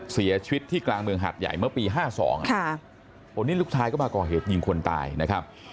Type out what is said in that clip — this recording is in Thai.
เสียชีวิตที่กลางเมืองหัดใหญ่เมื่อปี๕๒วันนี้ลูกชายก็มาก่อเหตุยิงคนตายนะครับ